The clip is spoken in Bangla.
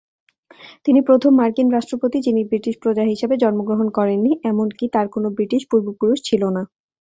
তিনি প্রথম মার্কিন রাষ্ট্রপতি যিনি ব্রিটিশ প্রজা হিসেবে জন্মগ্রহণ করেননি, এমনকি তার কোন ব্রিটিশ পূর্বপুরুষ ছিল না।